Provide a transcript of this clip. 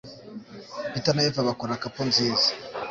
Peter na Eva bakora couple nziza.